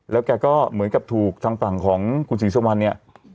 แล้วแกก็เหมือนกับถูกทางฝั่งของคุณศรีสุวรรณเนี่ย